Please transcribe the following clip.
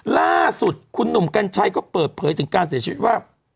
ล่าสุดคุณหนุ่มกัญชัยก็เปิดเผยถึงการเสียชีวิตว่า